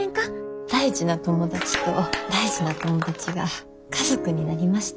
大事な友達と大事な友達が家族になりました。